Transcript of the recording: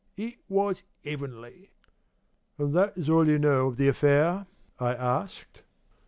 It was 'eavenly!" "And is that all you know of the affair?" I asked.